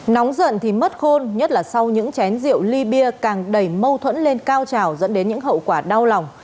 nóng giận thì mất khôn nhất là sau những chén rượu ly bia càng đẩy mâu thuẫn lên cao trào dẫn đến những hậu quả đau lòng